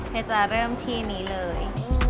จะเริ่มที่นี้เลย